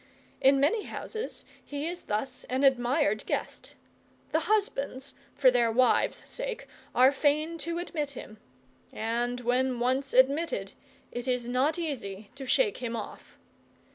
In many houses he is thus an admired guest: the husbands, for their wives' sake, are fain to admit him; and when once admitted it is not easy to shake him off.